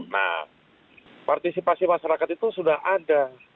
nah partisipasi masyarakat itu sudah ada